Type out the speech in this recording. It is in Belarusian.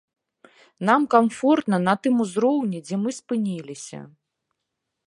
Нам камфортна на тым узроўні, дзе мы спыніліся.